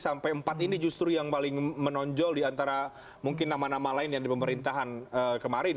sampai empat ini justru yang paling menonjol diantara mungkin nama nama lain yang di pemerintahan kemarin